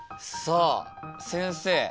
さあ先生